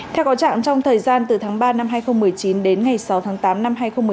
theo có trạng trong thời gian từ tháng ba năm hai nghìn một mươi chín đến ngày sáu tháng tám năm hai nghìn một mươi chín